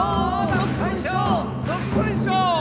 どっこいしょー